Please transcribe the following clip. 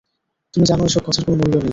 তুমি জান এ-সব কথার কোনো মূল্য নেই।